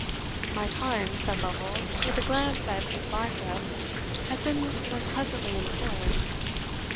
"My time," said Lovel, with a glance at his black dress, "has been less pleasantly employed."